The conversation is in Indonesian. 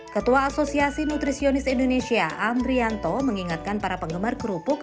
ketua asosiasi nutrisionis indonesia amrianto mengingatkan para penggemar kerupuk